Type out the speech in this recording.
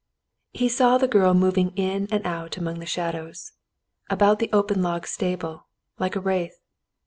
He saw the girl moving in and out among the shadows, about the open log stable, like a wraith.